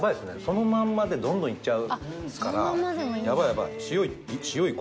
そのまんまでどんどんいっちゃうからやばいやばい。